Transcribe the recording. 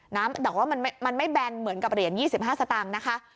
แต่ว่ามันไม่แบนเหมือนกับเหรียญ๒๕สตางค์นะคะ